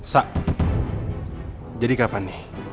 sa jadi kapan nih